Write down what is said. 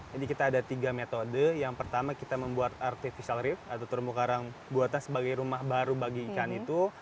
jadi kita ada tiga metode yang pertama kita membuat artificial reef atau terumbu garang buatan sebagai rumah baru bagi ikan itu